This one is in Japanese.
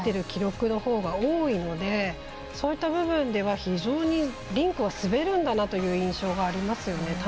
記録のほうが多いので、そういった部分では非常にリンクは滑るんだなという印象がありますよね。